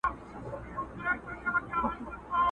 پخوانيو زمانو كي يو لوى ښار وو!.